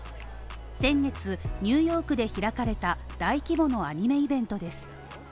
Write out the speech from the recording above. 先月ニューヨークで開かれた大規模のアニメイベントです。